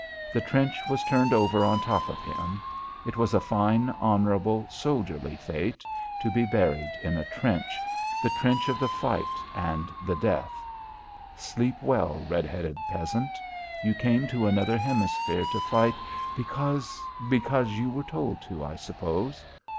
The trench was turned over on top of him. It was a fine, honourable, soldierly fate to be buried in a trench, the trench of the fight and the death. Sleep well, red headed peasant. You came to another hemisphere to fight because because you were told to, I suppose.